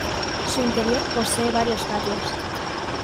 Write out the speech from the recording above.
Su interior posee varios patios.